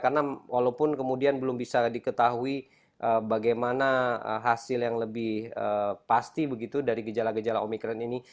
karena walaupun kemudian belum bisa diketahui bagaimana hasil yang lebih pasti begitu dari gejala gejala omikron ini